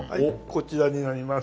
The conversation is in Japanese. こちらになります。